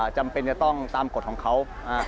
จำเป็นจะต้องตามกฎของเขา